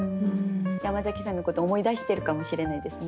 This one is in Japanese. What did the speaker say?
山崎さんのこと思い出してるかもしれないですね。